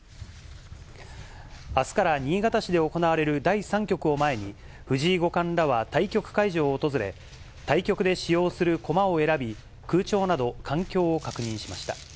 あすから新潟市で行われる第３局を前に、藤井五冠らは対局会場を訪れ、対局で使用する駒を選び、空調など環境を確認しました。